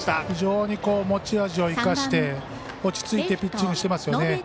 非常に持ち味を生かして落ち着いてピッチングしていますね。